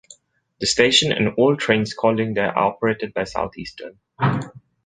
The station and all trains calling there are operated by Southeastern.